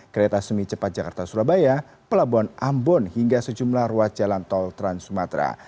kereta semi cepat jakarta surabaya pelabuhan ambon hingga sejumlah ruas jalan tol trans sumatera